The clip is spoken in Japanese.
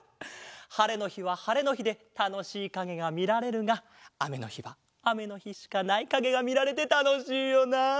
はれのひははれのひでたのしいかげがみられるがあめのひはあめのひしかないかげがみられてたのしいよなあ。